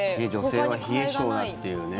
女性は冷え性だっていうね。